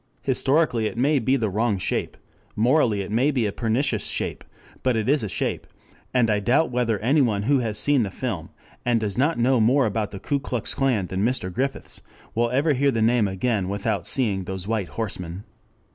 Historically it may be the wrong shape, morally it may be a pernicious shape, but it is a shape, and I doubt whether anyone who has seen the film and does not know more about the Ku Klux Klan than Mr. Griffiths, will ever hear the name again without seeing those white horsemen.